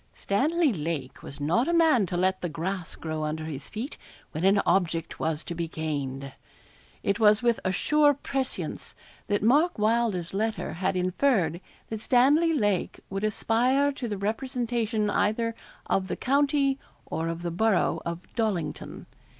Stanley Lake was not a man to let the grass grow under his feet when an object was to be gained. It was with a sure prescience that Mark Wylder's letter had inferred that Stanley Lake would aspire to the representation either of the county or of the borough of Dollington.